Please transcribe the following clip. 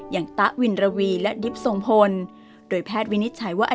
ตะวินระวีและดิบทรงพลโดยแพทย์วินิจฉัยว่า